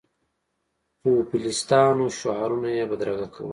پوپلیستانو شعارونه یې بدرګه کول.